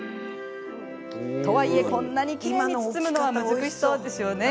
とはいえこんなにきれいに包むのは難しそうですよね。